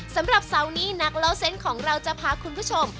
สำหรับเสาร์นี้นักเล่าเส้นของเราจะพาคุณผู้ชม